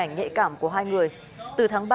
ảnh nhạy cảm của hai người từ tháng ba